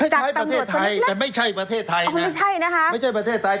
จากตำรวจเต็มนึกเลยนะครับไม่ใช่ประเทศไทยนะครับไม่ใช่ประเทศไทย